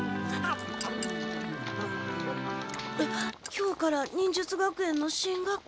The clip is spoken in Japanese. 今日から忍術学園の新学期。